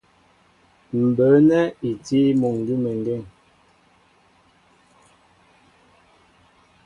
Mbə̌ nɛ́ i tí muŋ gʉ́meŋgên.